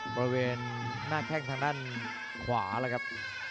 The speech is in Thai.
บริเวณหน้าแข้งทางด้านขวาแล้วครับ